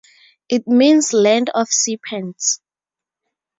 It means Land of Serpents.